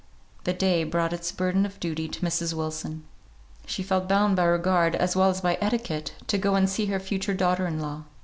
The day brought its burden of duty to Mrs. Wilson. She felt bound by regard, as well as by etiquette, to go and see her future daughter in law.